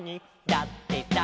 だってさ」